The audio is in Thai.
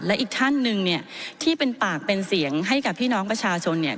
และอีกท่านหนึ่งเนี่ยที่เป็นปากเป็นเสียงให้กับพี่น้องประชาชนเนี่ย